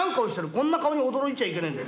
こんな顔に驚いちゃいけねえんだよ。